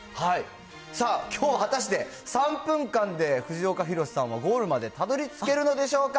さあ、きょう果たして３分間で藤岡弘、さんはゴールまでたどりつけるのでしょうか。